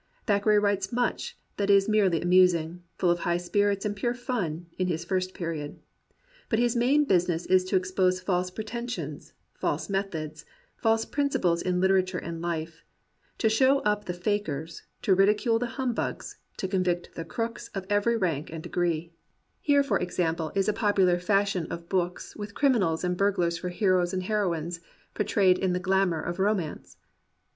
Thackeray writes much that is merely amusing, full of high spirits and pure fun, in his first period. But his main business is to expose false pretensions, false methods, false principles in literature and life; to show up the fakers, to ridicule the humbugs, to convict the crooks of every rank and degree. 113 COMPANIONABLE BOOKS Here, for example, is a popular fashion of books with criminals and burglars for heroes and heroines, portrayed in the glamour of romance.